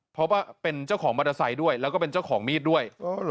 เพราะว่าเป็นเจ้าของมอเตอร์ไซค์ด้วยแล้วก็เป็นเจ้าของมีดด้วย